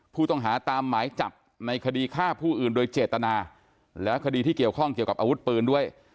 ผู้ต้องหาตามหมายจับในคดีฆ่าผู้อื่นโดยเจตนาและคดีที่เกี่ยวข้องเกี่ยวกับอาวุธปืนด้วย